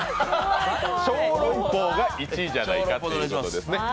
小籠包が１位じゃないかということですね。